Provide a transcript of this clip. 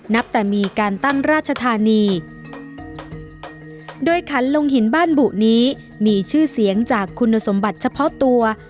นับแต่มีการตั้งราชธานีโดยขันลงหินบ้านบุนี้มีชื่อเสียงจากคุณสมบัติเฉพาะตัว